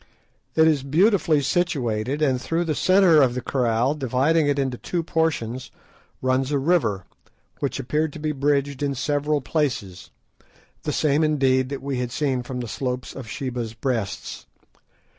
It is beautifully situated, and through the centre of the kraal, dividing it into two portions, runs a river, which appeared to be bridged in several places, the same indeed that we had seen from the slopes of Sheba's Breasts.